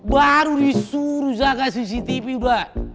baru disuruh saya kasih cctv pak